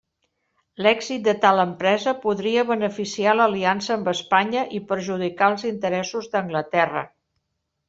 L'èxit de tal empresa podria beneficiar l'aliança amb Espanya i perjudicar els interessos d'Anglaterra.